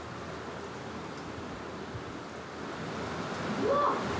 うわっ！